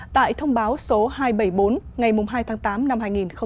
tại thông báo số hai trăm bảy mươi bốn ngày hai tháng tám năm hai nghìn một mươi chín